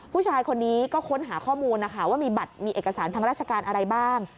ผู้ชายคนนี้ก็ค้นหาข้อมูลนะคะว่ามีบัตรมีเอกสารทางราชการอะไรบ้าง